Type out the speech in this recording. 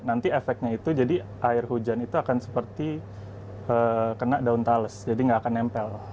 nanti efeknya itu jadi air hujan itu akan seperti kena daun tales jadi nggak akan nempel